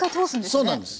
そうなんです。